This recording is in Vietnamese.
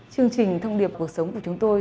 chương trình thông điệp cuộc sống của chúng tôi